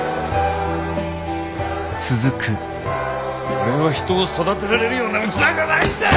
俺は人を育てられるような器じゃないんだよ！